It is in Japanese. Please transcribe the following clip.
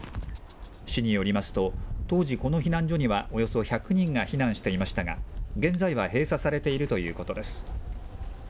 市によりますと、当時、この避難所にはおよそ１００人が避難していましたが、現在は閉鎖されているということです。